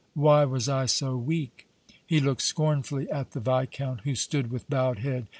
"Why was I so weak!" He looked scornfully at the Viscount, who stood with bowed head.